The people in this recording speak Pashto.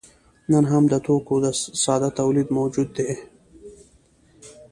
نن هم د توکو ساده تولید موجود دی.